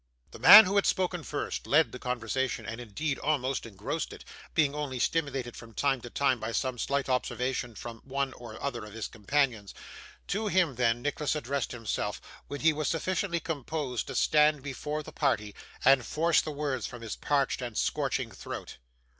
The man who had spoken first, led the conversation, and indeed almost engrossed it, being only stimulated from time to time by some slight observation from one or other of his companions. To him then Nicholas addressed himself when he was sufficiently composed to stand before the party, and force the words from his parched and scorching throat.